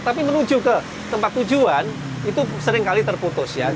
tapi menuju ke tempat tujuan itu seringkali terputus ya